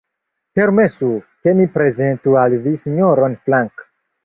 Permesu, ke mi prezentu al vi Sinjoron Frank.